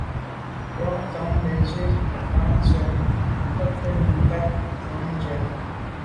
Ntù njon bènzwi fa tshwèt nkwate num nekag nà tshwèt.